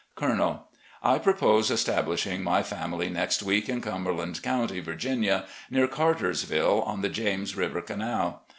"Colonel: I propose establishing my family next week in Cumberland County, Virginia, near Cartersville, on the James River canal.